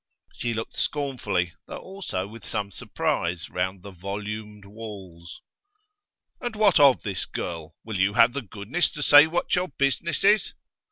She looked scornfully, though also with some surprise, round the volumed walls. 'And what of this girl? Will you have the goodness to say what your business is?